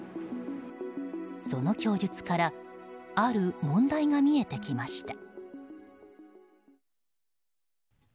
その供述からある問題が見えてきました。